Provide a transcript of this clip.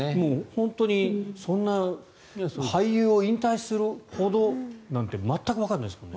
本当に、そんな俳優を引退するほどなんて全くわからないですけどね。